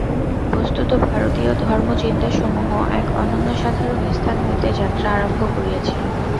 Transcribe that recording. বস্তুত ভারতীয় ধর্ম চিন্তাসমূহ এক অনন্যসাধারণ স্থান হইতে যাত্রা আরম্ভ করিয়াছিল।